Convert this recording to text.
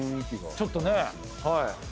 ちょっとねはい。